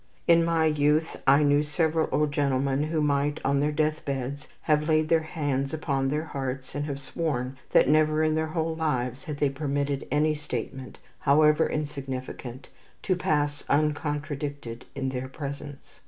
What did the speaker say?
In my youth I knew several old gentlemen who might, on their death beds, have laid their hands upon their hearts, and have sworn that never in their whole lives had they permitted any statement, however insignificant, to pass uncontradicted in their presence.